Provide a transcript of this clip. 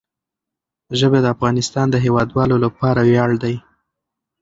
ژبې د افغانستان د هیوادوالو لپاره ویاړ دی.